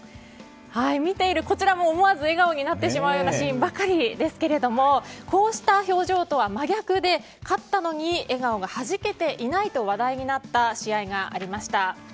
見ているこちらも思わず笑顔になってしまうシーンばかりですがこうした表情とは真逆で勝ったのに笑顔がはじけていないと話題になった試合がありました。